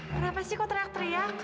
kenapa sih kok teriak teriak